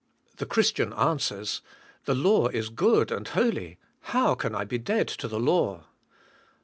The Christian answers, The law is good and holy, how can I be dead to the law?